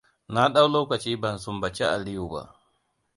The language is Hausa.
Na dau lokaci ban sumbaci Aliyu ba.